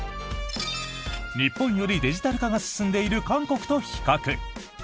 日本よりデジタル化が進んでいる韓国と比較！